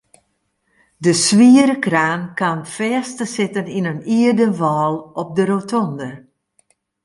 De swiere kraan kaam fêst te sitten yn in ierden wâl op de rotonde.